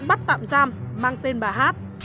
bắt tạm giam mang tên bà hát